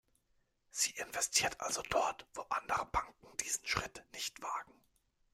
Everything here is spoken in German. Sie investiert also dort, wo andere Banken diesen Schritt nicht wagen.